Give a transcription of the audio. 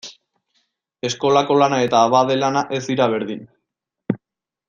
Eskolako lana eta abade lana ez dira berdin.